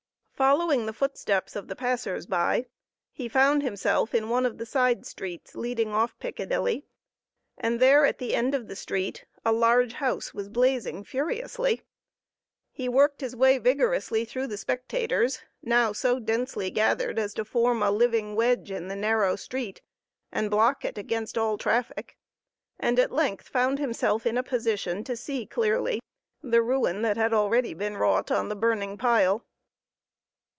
Following the footsteps of the passers by, he found himself in one of the side streets leading off Piccadilly, and there at the end of the street, a large house was blazing furiously. He worked his way vigorously through the spectators, now so densely gathered as to form a living wedge in the narrow street and block it against all traffic, and at length found himself in a position to see clearly the ruin that had already been wrought on the burning pile.